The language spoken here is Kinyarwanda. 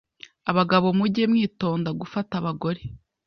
abagabo mujye mwitonda gufata abagore